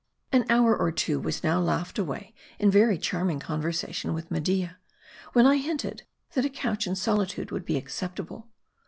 An hour or two was now laughed away in very charm ing conversation with Media ; when I hinted, that a couch and solitude would be acceptable.